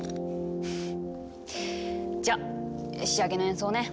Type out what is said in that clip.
じゃ仕上げの演奏ね！